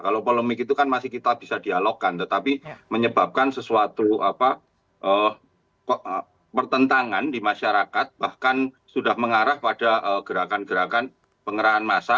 kalau polemik itu kan masih kita bisa dialogkan tetapi menyebabkan sesuatu pertentangan di masyarakat bahkan sudah mengarah pada gerakan gerakan pengerahan massa